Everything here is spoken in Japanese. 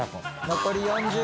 残り４０秒。